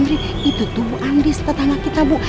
itu tuh bu andries tetangga kita bu